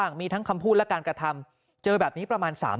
วันนี้ทีมข่าวไทยรัฐทีวีไปสอบถามเพิ่ม